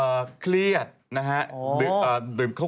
เอ่อเครียดนะครับ